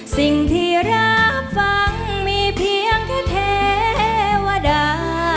สิ่งที่รับฟังมีเพียงแท้วดา